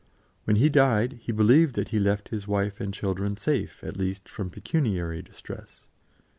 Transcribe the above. When he died, he believed that he left his wife and children safe, at least, from pecuniary distress.